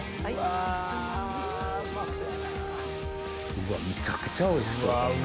うわむちゃくちゃおいしそう。